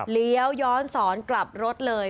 เลี้ยวย้อนสอนกลับรถเลย